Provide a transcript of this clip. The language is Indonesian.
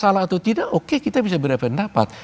salah atau tidak oke kita bisa berapa yang dapat